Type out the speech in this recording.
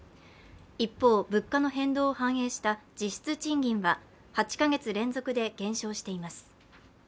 一方、物価の変動を反映した実質賃金は８カ月連続で減少しています。